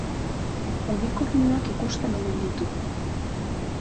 Unikornioak ikusten omen ditu.